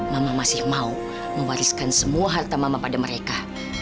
mama masih mau mewariskan semua harta mama pada mereka